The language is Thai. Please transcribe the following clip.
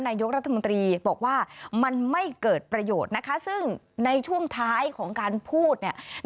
นายกรัฐมนตรีบอกว่ามันไม่เกิดประโยชน์นะคะซึ่งในช่วงท้ายของการพูดเนี่ย